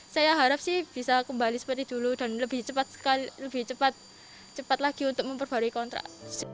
saya harap sih bisa kembali seperti dulu dan lebih cepat sekali lebih cepat lagi untuk memperbarui kontrak